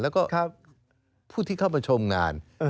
แล้วก็ผู้ที่เข้าไปชมงาน